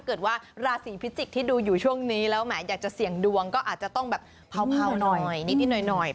เอาล่ะลาสีต่อไป